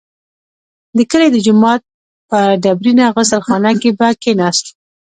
د کلي د جومات په ډبرینه غسل خانه کې به کښېناست.